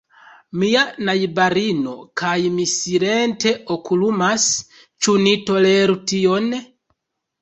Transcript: Mia najbarino kaj mi silente okulumas: ĉu ni toleru tion?